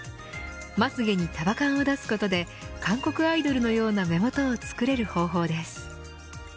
まつげに束感を出すことで韓国アイドルのような目元をつくれる方法です。